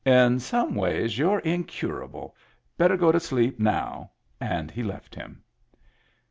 " In some ways you're incurable. Better go to sleep now." And he left him.